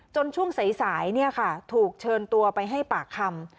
จนช่วงสายสายเนี่ยค่ะถูกเชิญตัวไปให้ปากคำ